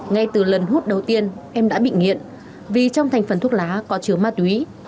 ngay từ lần hút đầu tiên em đã bị nghiện vì trong thành phần thuốc lá có chứa ma túy